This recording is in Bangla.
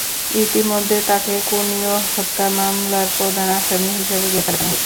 ইতিমধ্যে তাঁকে কুনিও হত্যা মামলার প্রধান আসামি হিসেবে গ্রেপ্তার দেখানো হয়েছে।